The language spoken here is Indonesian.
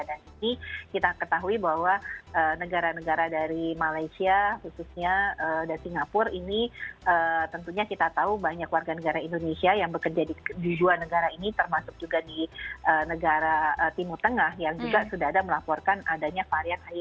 jadi kita ketahui bahwa negara negara dari malaysia khususnya dan singapura ini tentunya kita tahu banyak warga negara indonesia yang bekerja di kedua negara ini termasuk juga di negara timur tengah yang juga sudah ada melaporkan adanya varian ay empat dua